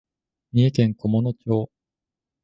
三重県菰野町